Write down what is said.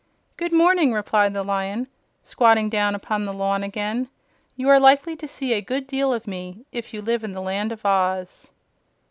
"Good morning," replied the Lion, squatting down upon the lawn again. "You are likely to see a good deal of me, if you live in the Land of Oz."